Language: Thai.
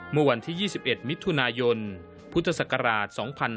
เมื่อวันที่๒๑มิถุนายนพุทธศักราช๒๕๕๙